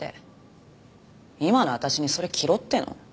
今の私にそれ着ろっての？